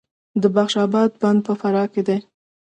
د بخش اباد بند په فراه کې دی